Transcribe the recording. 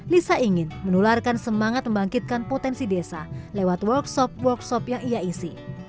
lisa ingin menularkan semangat membangkitkan potensi desa lewat workshop workshop yang ia isi